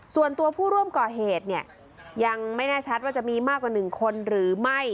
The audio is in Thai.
ส่วนตัวผู้ร่วมก่อเหตุเนี่ยยังไม่แน่ชัดว่าจะมีมากกว่า๑คนหรือไม่